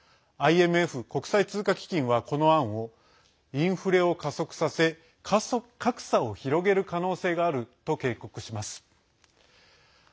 ＩＭＦ＝国際通貨基金はこの案をインフレを加速させ格差を広げる可能性があると警告します。